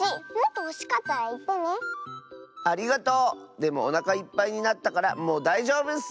でもおなかいっぱいになったからもうだいじょうぶッス！